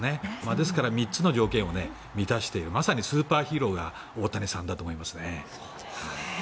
まさに３つの条件を満たしているまさにスーパーヒーローが大谷さんだと思いますね。